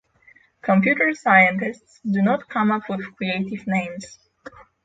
computer scientists do not come up with creative names!